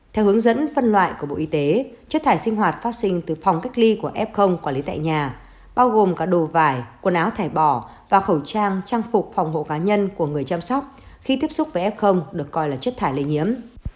theo hướng dẫn phân loại của bộ y tế chất thải sinh hoạt phát sinh từ phòng cách ly của f quản lý tại nhà bao gồm cả đồ vải quần áo thải bỏ và khẩu trang trang phục phòng hộ cá nhân của người chăm sóc khi tiếp xúc với f được coi là chất thải lây nhiễm